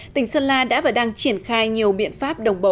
tỉnh sơn la đã và đang triển khai nhiều biện pháp đồng bộ